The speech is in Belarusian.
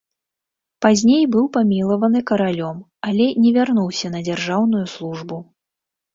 Пазней быў памілаваны каралём, але не вярнуўся на дзяржаўную службу.